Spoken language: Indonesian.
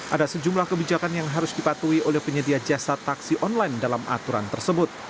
ada sejumlah kebijakan yang harus dipatuhi oleh penyedia jasa taksi online dalam aturan tersebut